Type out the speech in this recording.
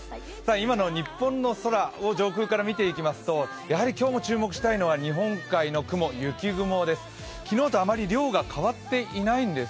今の日本の空を上空から見ていきますとやはり今日も注目したいのは日本海の雲、雪雲です。